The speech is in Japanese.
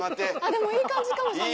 でもいい感じかもしれない。